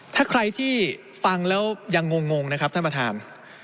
ถ้าใครที่ฟังแล้วยังงงนะครับท่านประธาน